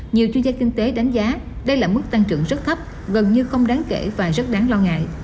nhiều chuyên gia kinh tế đánh giá đây là mức tăng trưởng rất thấp gần như không đáng kể và rất đáng lo ngại